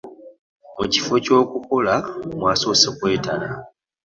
Mu kifo ky'okukola mwasoose kwetala.